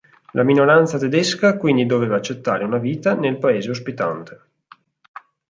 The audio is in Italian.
La minoranza tedesca quindi doveva accettare una vita nel “paese ospitante”.